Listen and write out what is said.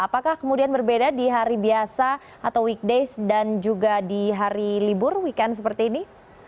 apakah kemudian berbeda di hari biasa atau weekdays dan juga di hari libur weekend seperti ini